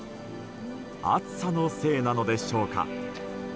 暑さのせいなのでしょうか？